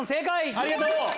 ありがとう！